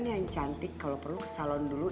yang cantik kalo perlu ke salon dulu